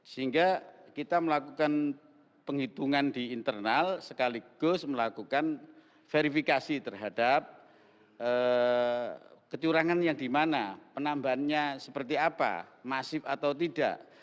sehingga kita melakukan penghitungan di internal sekaligus melakukan verifikasi terhadap kecurangan yang dimana penambahannya seperti apa masif atau tidak